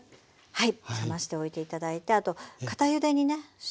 はい。